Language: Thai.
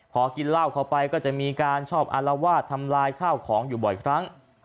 พอกินเหล้าเข้าไปก็จะมีการชอบอารวาสทำลายข้าวของอยู่บ่อยครั้ง